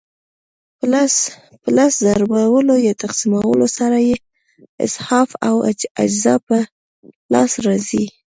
په لس ضربولو یا تقسیمولو سره یې اضعاف او اجزا په لاس راځي.